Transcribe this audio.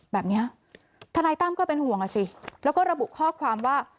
แบบนี้ทนายตั้มก็เป็นห่วงอ่ะสิแล้วก็ระบุข้อความว่า